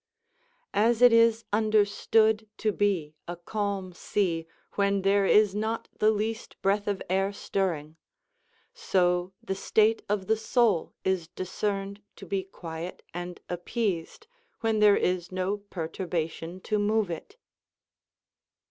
_ "As it is understood to be a calm sea when there is not the least breath of air stirring; so the state of the soul is discerned to be quiet and appeased when there is no perturbation to move it."